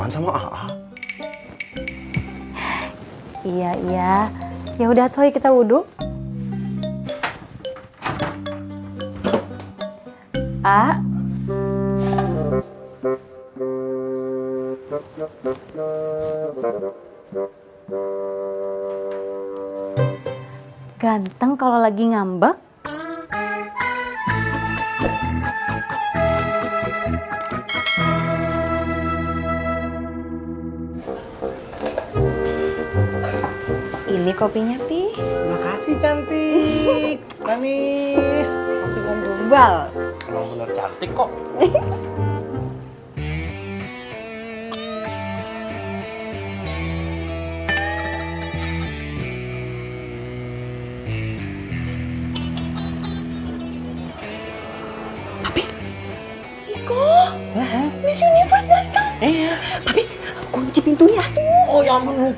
sampai jumpa di video selanjutnya